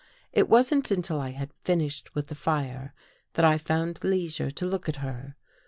It wasn't until I had finished with the fire that I found leisure to look at her.